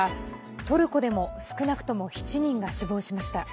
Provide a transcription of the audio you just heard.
トルコでも少なくとも７人が死亡しています。